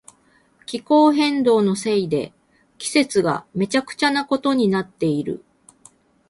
気候変動のせいで季節がめちゃくちゃなことになっている。